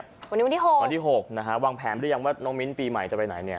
วันนี้วันที่๖วันที่๖นะฮะวางแผนหรือยังว่าน้องมิ้นปีใหม่จะไปไหนเนี่ย